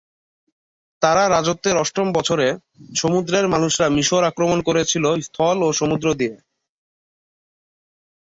তাঁর রাজত্বের অষ্টম বছরে, সমুদ্রের মানুষরা মিশর আক্রমণ করেছিল স্থল ও সমুদ্র দিয়ে।